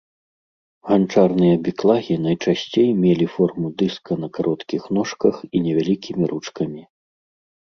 Ганчарныя біклагі найчасцей мелі форму дыска на кароткіх ножках і невялікімі ручкамі.